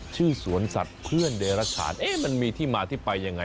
ชื่อสวนสัตว์เพื่อนเดรัชฐานมันมีที่มาที่ไปยังไง